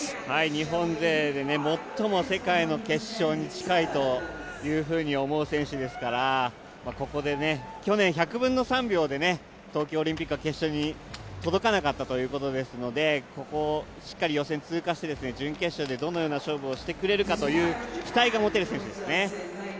日本勢で最も世界の決勝に近いというふうに思う選手ですから、ここで去年１００分の３秒で東京オリンピック決勝に届かなかったということですのでここ、しっかり予選通過して準決勝でどのような勝負をしてくれるか期待が持てる選手ですね。